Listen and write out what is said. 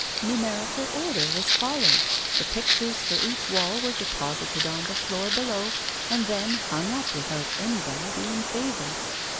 Numerical order was followed, the pictures for each wall were deposited on the floor below and then hung up without anybody being favoured.